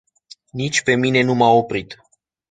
Nici pe mine nu m-a oprit.